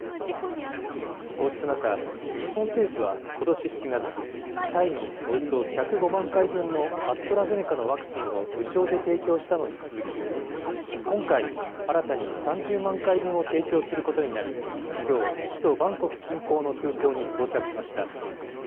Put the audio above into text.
こうした中、日本政府はことし７月、タイにおよそ１０５万回分のアストラゼネカのワクチンを無償で提供したのに続き、今回、新たに３０万回分を提供することになり、きょう、首都バンコク近郊の空港に到着しました。